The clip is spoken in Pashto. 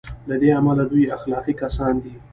له دې امله دوی اخلاقي کسان دي.